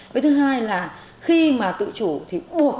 với thứ hai là khi mà tự chủ thì buộc tự chủ